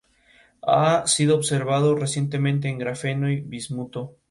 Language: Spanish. La elevada direccionalidad de las antenas utilizadas permite "alumbrar" zonas concretas de la Tierra.